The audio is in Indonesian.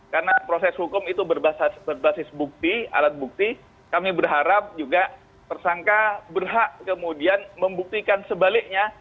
karena proses hukum itu berbasis bukti alat bukti kami berharap juga tersangka berhak kemudian membuktikan sebaliknya